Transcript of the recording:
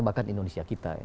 bahkan indonesia kita